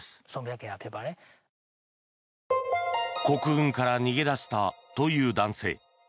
国軍から逃げ出したという男性。